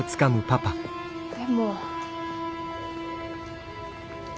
でも。